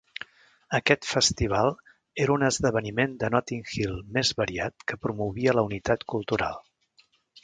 Aquest festival era un esdeveniment de Notting Hill més variat que promovia la unitat cultural.